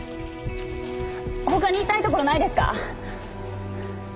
他に痛いところないですか？